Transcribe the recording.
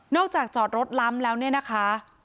จากจอดรถล้ำแล้วเนี่ยนะคะ